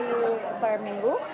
ada beberapa kali per minggu